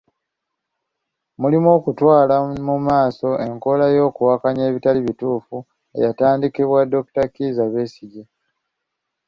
Mulimu okutwala mu maaso enkola y'okuwakanya ebitali bituffu eyatandikibwa Dokita Kizza Besigye.